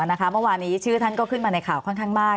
เมื่อวานนี้ชื่อท่านก็ขึ้นมาในข่าวค่อนข้างมาก